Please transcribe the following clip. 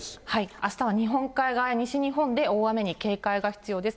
あしたは日本海側や西日本で大雨に警戒が必要です。